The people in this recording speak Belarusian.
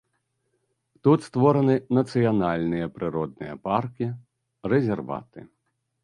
Тут створаны нацыянальныя прыродныя паркі, рэзерваты.